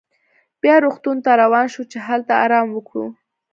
بیا روغتون ته روان شوو چې هلته ارام وکړو.